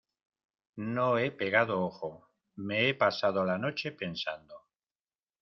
no he pegado ojo. me he pasado la noche pensando